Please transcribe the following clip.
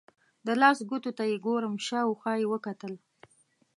د لاس ګوتو ته یې ګورم، شاوخوا یې وکتل.